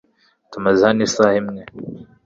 Tumaze hano isaha imwe .